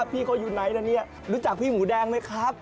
พี่เขาอยู่ไหนนะเนี่ยรู้จักพี่หมูแดงไหมครับ